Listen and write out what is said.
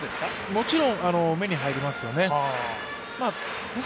もちろん目に入りますよね。